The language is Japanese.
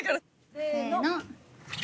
せの。